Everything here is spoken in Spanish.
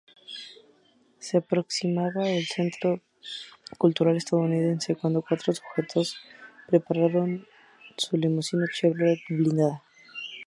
Se aproximaba al centro cultural estadounidense cuando cuatro sujetos pararon su limusina Chevrolet blindada.